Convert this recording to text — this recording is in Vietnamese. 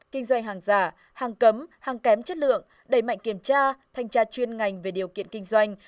kinh doanh hàng giả hàng cấm hàng kém chất lượng đẩy mạnh kiểm tra thanh tra chuyên ngành về điều kiện kinh doanh